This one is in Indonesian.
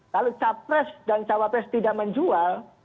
kalau capres dan cawapres tidak menjual